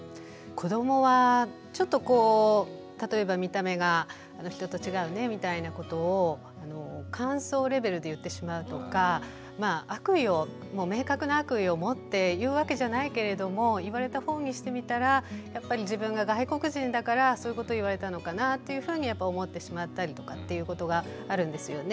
子どもはちょっとこう例えば見た目が人と違うねみたいなことを感想レベルで言ってしまうとか悪意を明確な悪意を持って言うわけじゃないけれども言われたほうにしてみたらやっぱり自分が外国人だからそういうこと言われたのかなっていうふうにやっぱり思ってしまったりとかっていうことがあるんですよね。